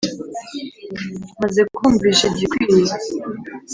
maze kumwumvisha igikwiye